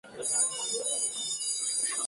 La Indumentaria varió en textura, color y ornamento.